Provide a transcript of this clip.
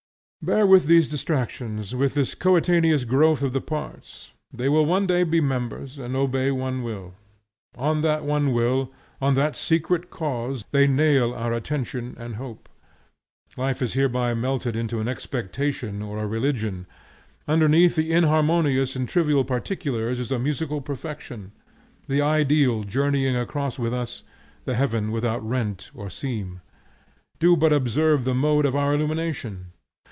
Bear with these distractions, with this coetaneous growth of the parts; they will one day be members, and obey one will. On that one will, on that secret cause, they nail our attention and hope. Life is hereby melted into an expectation or a religion. Underneath the inharmonious and trivial particulars, is a musical perfection; the Ideal journeying always with us, the heaven without rent or seam. Do but observe the mode of our illumination.